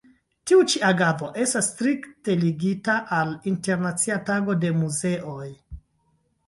Tiu ĉi agado estas strikte ligita al Internacia Tago de Muzeoj.